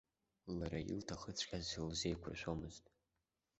Лара илҭахыҵәҟьаз лзеиқәыршәомызт.